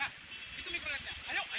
hah dengan mata saya belok bang